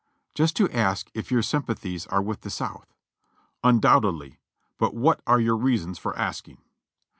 "Just to ask if your sympathies are with the South." "Undoubtedly; but what are your reasons for asking?"